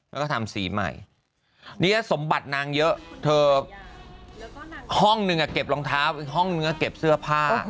แล้วก็ทำสีใหม่นี่สมบัตินางเยอะเธอห้องนึงเก็บรองเท้าห้องเนื้อเก็บเสื้อผ้า